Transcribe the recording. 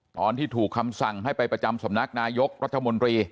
ตอนถูกคำสั่งให้ไปประจำสมนักนายกรทมค่ะ